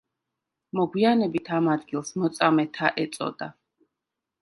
მოგვიანებით ამ ადგილს მოწამეთა ეწოდა.